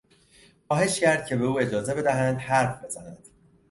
خواهش کرد که به او اجازه بدهند حرف بزند.